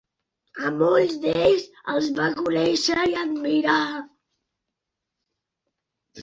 A molts d'ells els va conèixer i admirar.